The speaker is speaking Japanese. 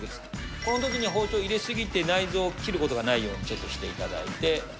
このときに包丁を入れ過ぎて、内臓を切ることがないようにちょっとしていただいて。